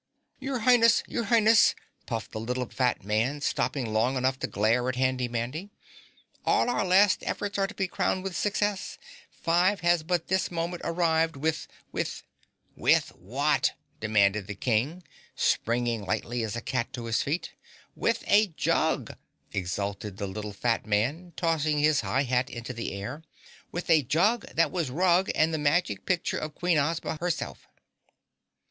"Your Highness! Your Highness!" puffed the little fat man, stopping long enough to glare at Handy Mandy. "At last our efforts are to be crowned with success! Five has but this moment arrived with with " "With what?" demanded the King, springing lightly as a cat to his feet. "With a jug," exulted the little fat man, tossing his high hat into the air. "With a jug that was Rug and the magic picture of Queen Ozma herself."